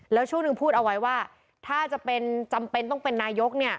แล้วช่วงหนึ่งพูดเอาไว้ว่าถ้าจะเป็นจำเป็นต้องเป็นนายก